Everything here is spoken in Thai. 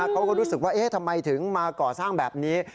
เขาก็รู้สึกว่าทำไมถึงมาก่อสร้างแบบนี้